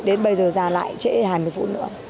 đến bây giờ ra lại trễ hành một phút nữa